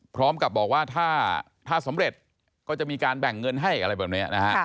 พร้อมกับบอกว่าถ้าสำเร็จก็จะมีการแบ่งเงินให้อะไรแบบนี้นะฮะ